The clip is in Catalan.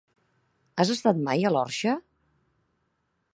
Has estat mai a l'Orxa?